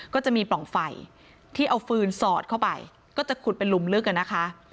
ก็จะมีปล่องไฟที่เอาฟืนสอดเข้าไปก็จะขุดเป็นหลุมลึกอะนะคะ